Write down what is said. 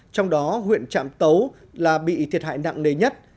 trong đó huyện trạm tấu là bị thiệt hại nặng nề nhất